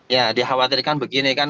ya dikhawatirkan begini kan